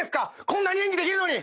こんなに演技できるのに。